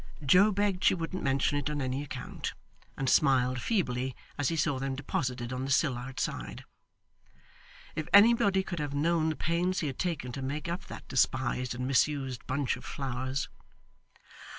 Joe begged she wouldn't mention it on any account, and smiled feebly as he saw them deposited on the sill outside. If anybody could have known the pains he had taken to make up that despised and misused bunch of flowers!